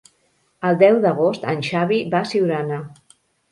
El deu d'agost en Xavi va a Siurana.